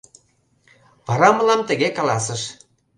Вара мылам тыге каласыш: